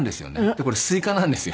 でこれスイカなんですよ。